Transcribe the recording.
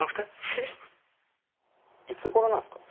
「フッ」いつごろなんすか？